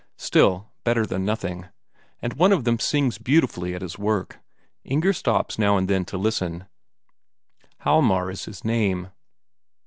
Still, better than nothing and one of them sings beautifully at his work; Inger stops now and again to listen. Hjalmar is his name.